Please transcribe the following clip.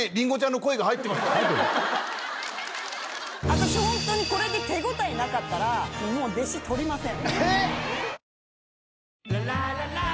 私ホントにこれで手応えなかったら弟子取りません。